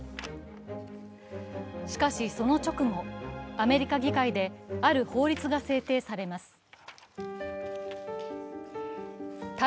しかしその直後、アメリカ議会である法律が制定されます。